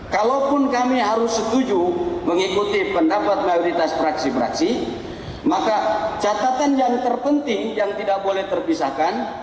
kalaupun kami harus setuju mengikuti pendapat mayoritas fraksi fraksi maka catatan yang terpenting yang tidak boleh terpisahkan